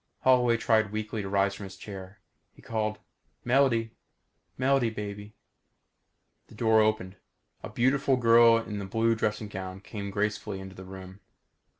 Holloway tried weakly to rise from his chair. He called, "Melody Melody baby!" The door opened. A beautiful girl in a blue dressing gown came gracefully into the room.